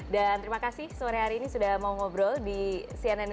dan terima kasih sore hari ini sudah mau ngobrol di cnn